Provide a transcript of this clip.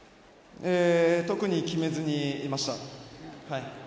特に決めずにいました。